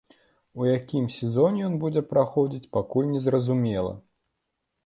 У якім сезоне ён будзе праходзіць, пакуль незразумела.